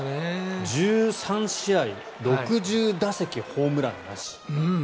１３試合６０打席ホームランなし。